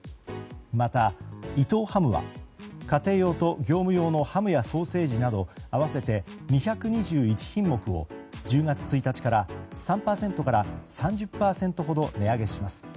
また、伊藤ハムは家庭用と業務用のハムやソーセージなど合わせて２２１品目を１０月１日から３％から３０％ほど値上げします。